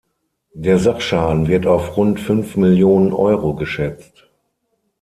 Der Sachschaden wird auf rund fünf Millionen Euro geschätzt.